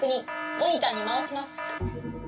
モニターにまわします。